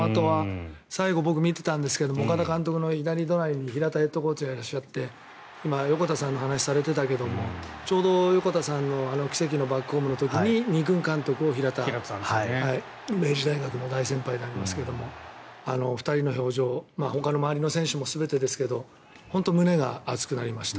最後、僕見てたんですけど岡田監督の隣に平田ヘッドコーチがいらっしゃって今、横田さんの話されたけどもちょうど横田さんの奇跡のバックホームの時に２軍監督を平田さんが明治大学の大先輩になりますがあのお二人の表情ほかの周りの選手も全てですけど本当に胸が熱くなりました。